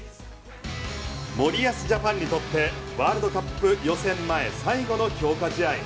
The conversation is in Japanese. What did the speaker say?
森保ジャパンにとってワールドカップ予選前最後の強化試合。